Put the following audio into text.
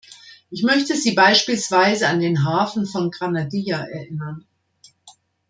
Ich möchte Sie beispielsweise an den Hafen von Granadilla erinnern.